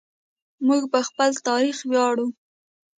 موږ په خپل تاریخ ویاړو.